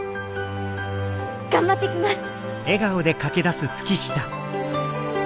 頑張ってきます！